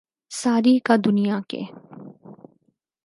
ساری کا دنیا کے